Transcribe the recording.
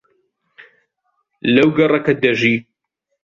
لەو گەڕەکە دەژی.